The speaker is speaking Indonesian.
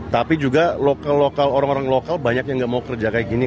tapi juga lokal lokal orang orang lokal banyak yang nggak mau kerja kayak gini